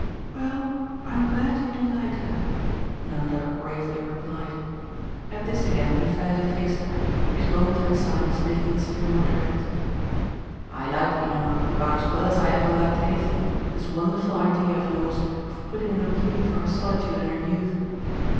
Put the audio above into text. "Well, I'm glad you do like her," Nanda gravely replied. At this again he fairly faced her, his momentary silence making it still more direct. "I like, you know, about as well as I ever liked anything, this wonderful idea of yours of putting in a plea for her solitude and her youth.